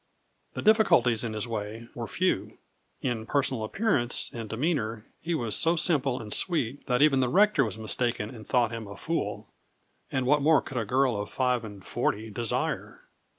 The difficulties in his way were few. In personal appearance and demeanour he was so simple and sweet that even the rector was mistaken and thought him a fool, and what more could a girl of five and forty desire?